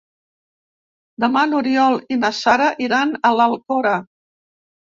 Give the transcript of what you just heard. Demà n'Oriol i na Sara iran a l'Alcora.